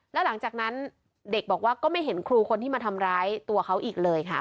แล้วหลังจากนั้นเด็กบอกว่าก็ไม่เห็นครูคนที่มาทำร้ายตัวเขาอีกเลยค่ะ